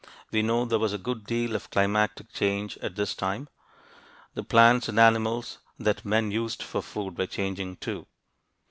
We know there was a good deal of climatic change at this time. The plants and animals that men used for food were changing, too.